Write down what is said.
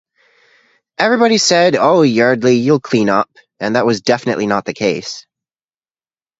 Everybody said, 'Oh Yeardley, you'll clean up,' and that was definitely not the case.